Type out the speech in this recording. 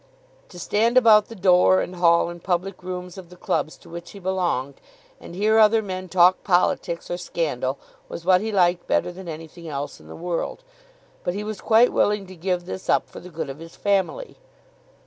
To stand about the door and hall and public rooms of the clubs to which he belonged and hear other men talk politics or scandal, was what he liked better than anything else in the world. But he was quite willing to give this up for the good of his family.